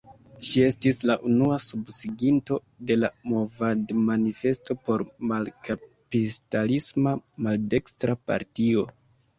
Ŝi estis la unua subsiginto de la movadmanifesto por "malkapistalisma maldekstra partio".